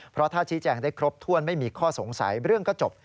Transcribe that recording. เพราะถ้าชี้แจงได้ครบถ้วนไม่มีข้อสงสัยเรื่องก็จบ